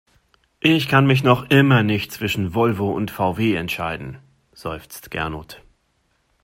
Ich kann mich noch immer nicht zwischen Volvo und VW entscheiden, seufzt Gernot.